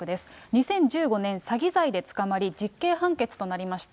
２０１５年、詐欺罪で捕まり、実刑判決となりました。